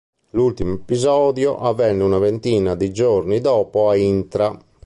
L'ultimo episodio avvenne una ventina di giorni dopo a Intra.